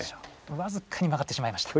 わずかに曲がってしまいました。